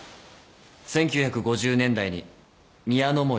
１９５０年代に宮ノ